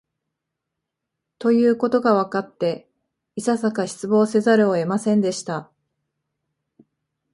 ということがわかって、いささか失望せざるを得ませんでした